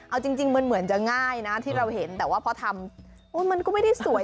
เอาจริงมันเหมือนจะง่ายนะที่เราเห็นแต่ว่าพอทำมันก็ไม่ได้สวย